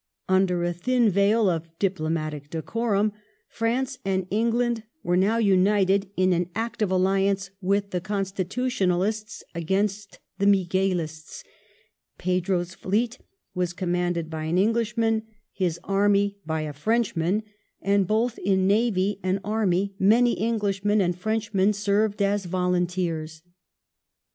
Under a thin veil of diplomatic decorum France and England were now united in an ._ active alliance with the Constitutionalists against the Miguelists. Pedro's fleet was commanded by an Englishman, his army by a Frenchman ; and both in navy and army many Englishmen and Frenchmen served as " volunteei*s